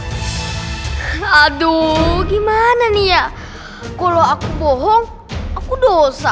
hai aduh gimana nih ya kalau aku bohong aku dosa